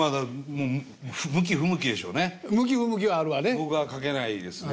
僕は書けないですね。